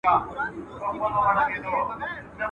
د خره مابت لا گوز دئ، لا لغته.